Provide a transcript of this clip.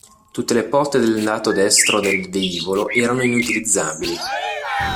Tutte le porte nel lato destro del velivolo erano inutilizzabili.